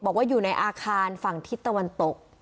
บอกว่าอยู่ในอาคารฝั่งทิศตะวันตก